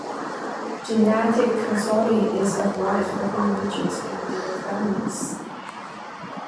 Genetic counseling is advised for individuals and their families.